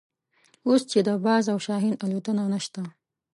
اوس چې د باز او شاهین الوتنه نشته.